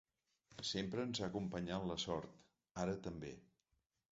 Sempre ens ha acompanyat la sort, ara també.